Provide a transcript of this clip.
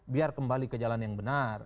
biar kembali ke jalan yang benar